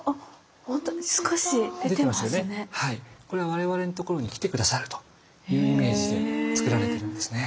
我々の所に来て下さるというイメージで造られているんですね。